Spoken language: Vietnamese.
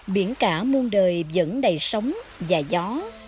biển cả muôn đời vẫn đầy sóng và gió